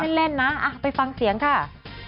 ใบเล็กจะหลบไปได้หรือไง